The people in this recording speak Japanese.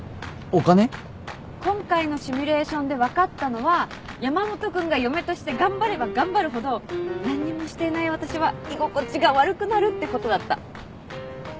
今回のシミュレーションで分かったのは山本君が嫁として頑張れば頑張るほど何にもしていない私は居心地が悪くなるってことだった。